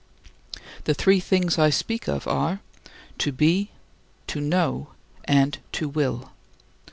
The three things I speak of are: to be, to know, and to will.